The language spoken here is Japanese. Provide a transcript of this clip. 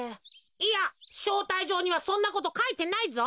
いやしょうたいじょうにはそんなことかいてないぞ。